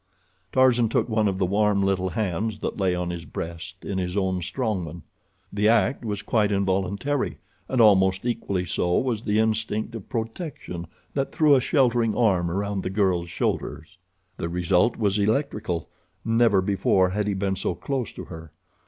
Tarzan took one of the warm little hands that lay on his breast in his own strong one. The act was quite involuntary, and almost equally so was the instinct of protection that threw a sheltering arm around the girl's shoulders. The result was electrical. Never before had he been so close to her.